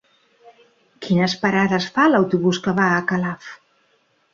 Quines parades fa l'autobús que va a Calaf?